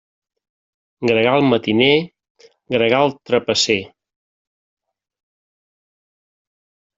Gregal matiner, gregal trapasser.